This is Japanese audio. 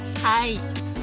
はい。